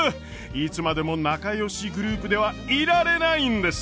いつまでも仲よしグループではいられないんです！